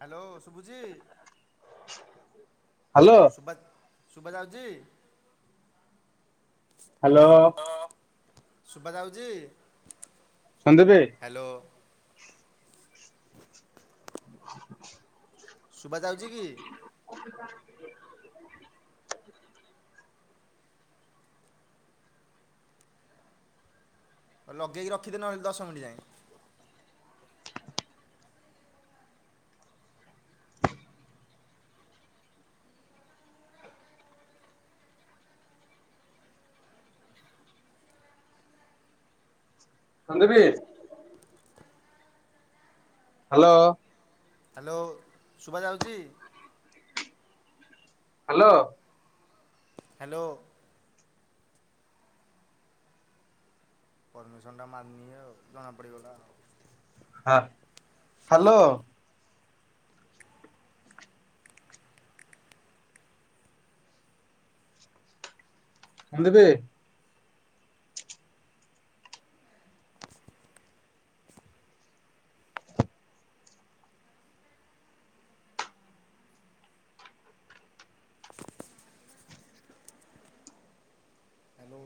Hello ସୁବୁଛି hello [inaudible] ସୁବା ସୁୁଭା ଯାଉଛି? [inaudible] ହ୍ୟାଲୋ। ସୁବା ଯାଉଛି? ହ୍ୟାଲୋ [unintelligible] ସୁବା ଯାଉଛି କି? [inaudible] ଲଗେଇକି ରଖିଦେ ନହେଲେ ଦଶ ମିନିଟ୍ ଯାଏଁ। [unintelligible] ହ୍ୟାଲୋ। ହ୍ୟାଲୋ ସୁବା ଯାଉଛି? ହ୍ୟାଲୋ। ହ୍ୟାଲୋ। ପରମିସନ ଟା ମାନୁନି ଆଉ ଜଣା ପଡିବଲା ଆଉ ହଁ ହ୍ୟାଲୋ। କଣ ଦେବେ?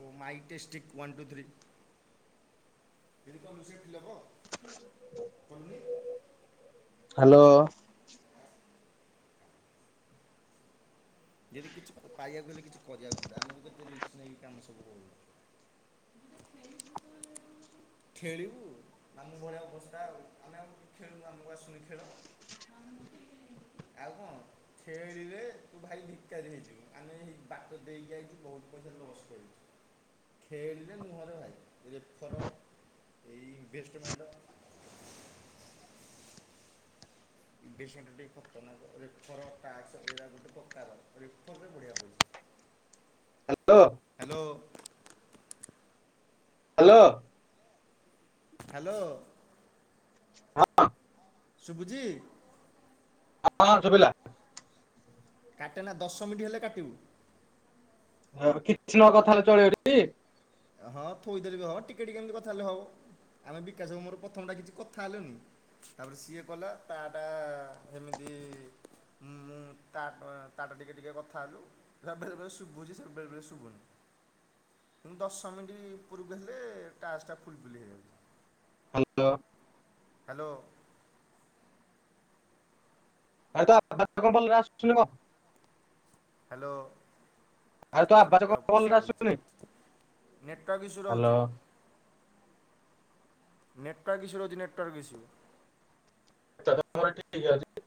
ଓ ମାଇଟେଷ୍ଟିକ୍ ୱାନ୍ ଟୁ ଥ୍ରୀ [unintelligible] ହ୍ୟାଲୋ। ଯଦି କିଛି ପାଇବାକୁ ହେଲେ କିଛି କରିବାକୁ ଆମକୁ କେତେ ରିସ୍କ ନେଇକି କାମ ସବୁ କରଛୁ। [unintelligible] ଖେଳିବୁ ଆମ ଭଳିଆ ଅବସ୍ଥା ଆଉ ଆମେ ଆଉ ଖେଳୁନୁ ଆମକୁ ଆସୁନି ଖେଳ [inaudible] ଆଉ କଣ ଖେଳିଲେ ତୁ ଭାଇ ଭିକାରି ହେଇଯିବୁ ଆମେ ବାଟ ଦେଇକି ଯାଇଛୁ ବହୁତ ପଇସା ଲସ୍ କରିଛୁ ଖେଳିଲେ ମୁଁହରେ ଭାଇ। [inaudible] ଯେତେଥର। [inaudible] [unintelligible] [inaudible] ରେଫର ରେ ବଢ଼ିଆ ପାଇଛି। ହ୍ୟାଲୋ। ହ୍ୟାଲୋ। ହ୍ୟାଲୋ। ହଁ। ଶୁଭୁଚି। ହଁ ଶୁଭିଲା। କାଟେ ନା ଦଶ ମିନିଟ ହେଲେ କାଟିବୁ। ଆଉ କିଛି ନ କଥା ହେଲେ ଚଳିବ ଟି। ହଁ ଥୋଇଦେଲେ ବି ହବ ଟିକେ ଟିକେ ଏମିତି କଥା ହେଲେ ହବ, ଆମେ ବିକାଶର ମୋର ପ୍ରଥମ ଟା କିଛି କଥା ହେଲୁନି ତାପରେ ସିଏ କଲା ତାଟା ସେମିତି ମୁଁ ତାଟା ଟିକେ ଟିକେ କଥା ହେଲୁ ସବେଳେଳେ ଶୁଭୁଛି ବେଳେବେଳେ ଶୁଭୁନି ଶୁଭୁନି। ଦଶ ମିନିଟ୍ ପୂର୍ବ ହେଲେ ଟାସ୍କ ଫୁଲଫୁଲି ହେଇଯାଉଛି। ହ୍ୟାଲୋ। ହ୍ୟାଲୋ। ଆରେ ତ [unintelligible] କଣ ଆସୁନି ନା କଣ? ହ୍ୟାଲୋ। ଆରେ ତୋ ଆବାଜ କଣ ନେଟୱାର୍କ ଇସ୍ୟୁ ଭଲରେ ଆସୁନି ରହୁଛି ନେଟ ଇସ୍ୟୁ ହ୍ୟାଲୋ ରହୁଛି। ନେଟୱାର୍କ ଇସୁ ରହୁଚି ନେଟୱାର୍କ ଇସୁ। ଆଛା ତମର ଠିକ ଅଛି?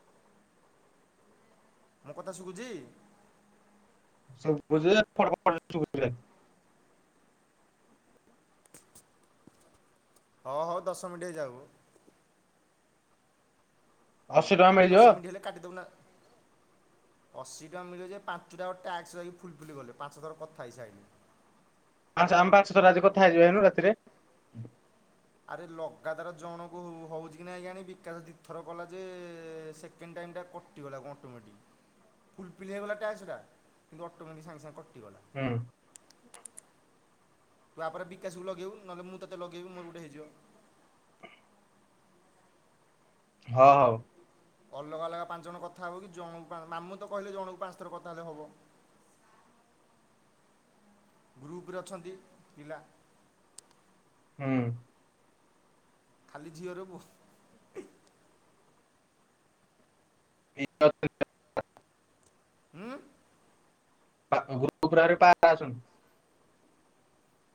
ମୋ କଥା ଶୁଭୁଛି। [unintelligible] ହଁ ହଁ ଦଶ ମିନିଟ୍ ହେଇଯାଉ। ଅଶୀ ଟଙ୍କା ଦଶ ମିଳିଯିବ। ମିନିଟ୍ ହେଲେ କାଟିଦେବୁ ନା ଅଶୀ ଟଙ୍କ ମିଳିବ ଯେ ପାଞ୍ଚଟାଙ୍କ ଟାସ୍କ ଫୁଲ ଫୁଲି ଗଲେ ପାଞ୍ଚ ଥର କଥା ହେଇସାଇଲେ। ପାଞ୍ଚ ଆମେ ପାଞ୍ଚ ଥର ଆଜି କଥା ହେଇଯିବା ଏନୁ ରାତିରେ। ଆରେ ଲଗାତାର ଜଣକୁ ହଉଛି କି ନାଇଁ କିଆଣି? ବିକାଶ ଦିଥର କଲା ଯେ ସେକେଣ୍ଡ ଟାଇମ ଟା କଟିଗଲା ଅଟୋମେଟିକ, ଫୁଲ ଫିଲ ହେଇଗଲା ଟାସ୍କ ଟା କିନ୍ତୁ ଅଟୋମେଟିକ ସାଙ୍ଗେ ସାଙ୍ଗେ କଟିଗଲା। ହୁଁ। ତୁ ଆପରେ ବିକାଶକୁ ଲଗେଇବୁ ନହେଲେ ମୁଁ ତତେ ଲଗେଇବି ମୋର ଗୋଟେ ହେଇଯିବ। ହଁ ହଉ। ଅଲଗା ଅଲଗା ପାଞ୍ଚ ଜଣ କଥା ହବ କି ଜଣଙ୍କୁ, ମାମୁଁ ତ କହିଲେ ଜଣଙ୍କୁ ପାଞ୍ଚ ଥର କଥା ହେଲେ ହବ। ଗ୍ରୁପରେ ଅଛନ୍ତି ପିଲା। ହୁଁ। ଖାଲି ଝିଅର [unintelligible] [unintelligible] ହୁଁ ଗୁପ ରାରେ ପାର ଆସୁ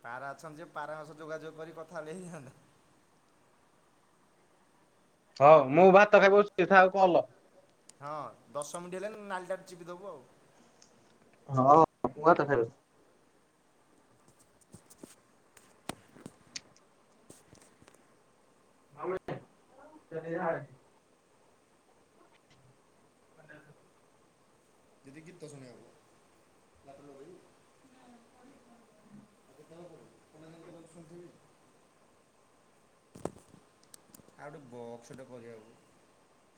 ପାରା ଅଛନ୍ତି ଯେ ପାରା ମାସ ଯୋଗାଯୋଗ କରି କଥା ହେଲେ ହେଇନ୍ତା ହଉ ମୁଁ ଭାତ ଖାଇ ବଛିଥା ଆଉ କହଲ ହଁ ଦଶମିନିଟ ହେଲେଣିି ନାଲିଟା ଚିପିଦବୁ ଆଉ ହଁ ପୁ ତ ଫରେ [unintelligible] ଯଦି ଗୀତ ତ ଶୁଣେଇ ଆବ ଆଉ କେତେବେଳେ ପଢ଼ିବୁ ଅନ୍ଲାଇନ୍ କେତେବେଳେ ଶୁଣିଥିବି ଆଉ ଗୋଟେ ବକ୍ସଟେ କରିବାକୁ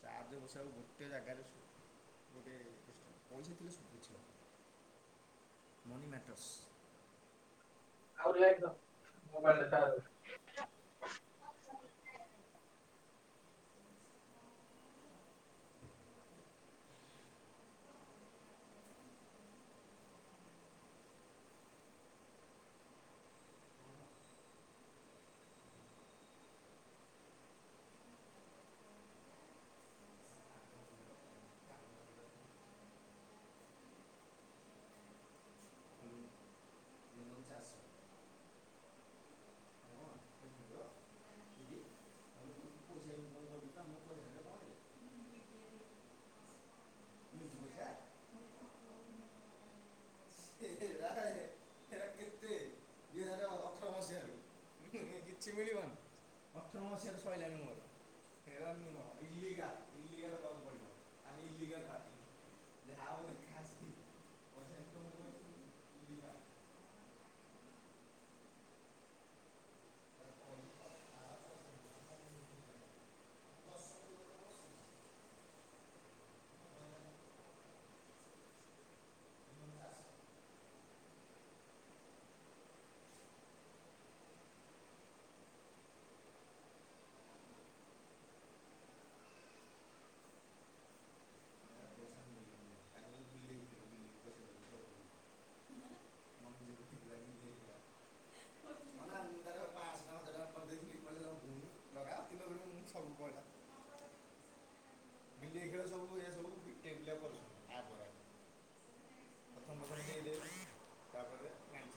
ଚାର୍ଯ୍ୟ ବସିବାକୁ ଗୋଟେ ଜାଗାରେ ଗୋଟେ ପଇସା ଥିଲେ ସୁଛି ମନି ମଟର୍ସ [unintelligible] ଏ କିଛି ମିଳିବନି ଅଠର ମସିାରୁିଲର ସୁଡା ବିଲେଇ ଖେଳ ସବୁ ସବୁ ବ ବିଲପ ପତପତିଲ ଚାପରେ କାଣି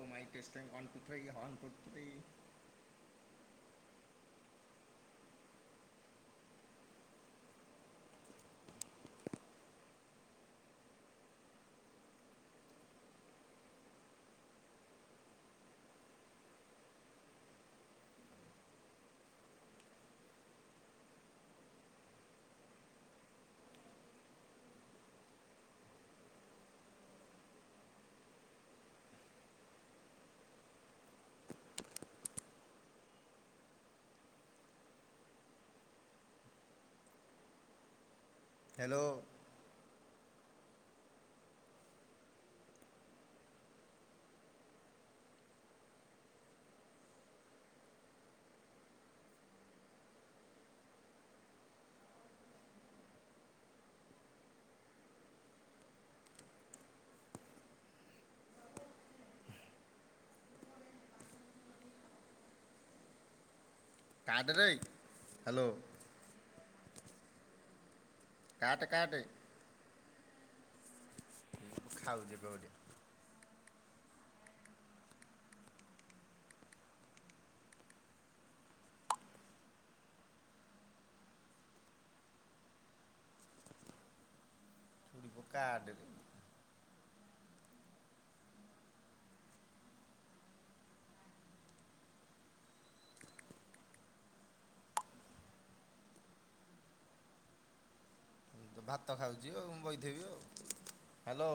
ାଇ ଟ ଅନ୍ନ୍ କର ହାଲୋ। କାଟେ ହାଲୋ। କାଟେ କାଟେ ଖାଉଚି କୋଉଠି ତୁ କାଟେ ଭାତ ଖାଉଛି ଆଉ ମୁଁ ବହିଥେଇବି ଆଉ ହାଲୋ।